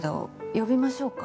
呼びましょうか？